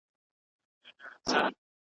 او په ځغاسته سو روان د غار و لورته .